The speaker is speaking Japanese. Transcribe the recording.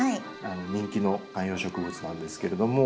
人気の観葉植物なんですけれども。